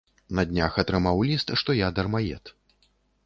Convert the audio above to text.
На днях атрымаў ліст, што я дармаед.